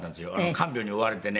看病に追われてね。